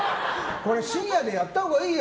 これ、深夜でやったほうがいいよ。